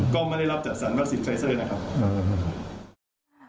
ก็ไม่ได้รับจัดสรรวัคซีนไฟเซอร์นะครับ